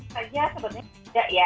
sebenarnya tidak ya